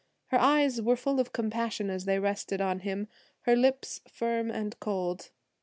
Her eyes were full of compassion as they rested on him, her lips firm and cold.